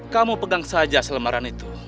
kamu pegang saja selemaran itu